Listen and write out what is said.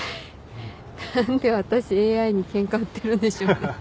何で私ＡＩにケンカ売ってるんでしょうね。